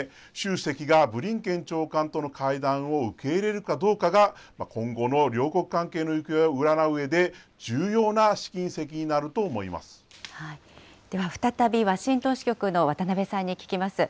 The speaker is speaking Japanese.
このため、習主席がブリンケン長官との会談を受け入れるかどうかが、今後の両国関係の行方を占ううえで、重要な試金石になると思では再びワシントン支局の渡辺さんに聞きます。